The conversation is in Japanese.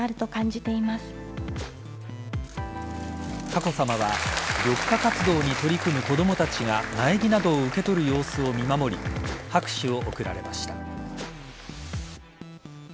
佳子さまは緑化活動に取り組む子供たちが苗木などを受け取る様子を見守り拍手を送られました。